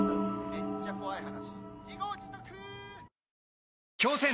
めっちゃ怖い話。